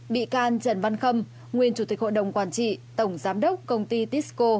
bốn bị can trần văn khâm nguyên chủ tịch hội đồng quản trị tổng giám đốc công ty tesco